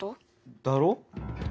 だろ？